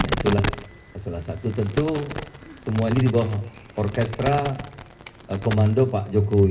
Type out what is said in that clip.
itulah salah satu tentu semuanya di bawah orkestra komando pak jokowi